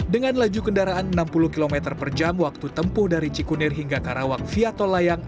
dengan laju kendaraan enam puluh km per jam waktu tempuh dari cikunir hingga karawang via tol layang